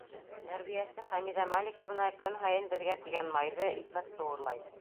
Тәрбиәсе Хәмиҙә Маликовна көн һайын беҙгә тигән майҙы, икмәкте урлай.